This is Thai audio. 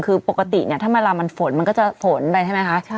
คือปกติเนี่ยถ้าเวลามันฝนมันก็จะฝนไปใช่ไหมคะ